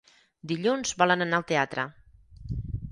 Dilluns volen anar al teatre.